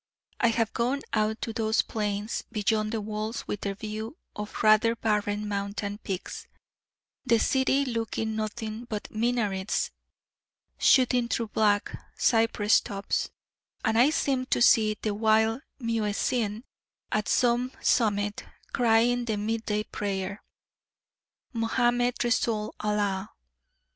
I have gone out to those plains beyond the walls with their view of rather barren mountain peaks, the city looking nothing but minarets shooting through black cypress tops, and I seemed to see the wild muezzin at some summit, crying the midday prayer: '_Mohammed Resoul Allah!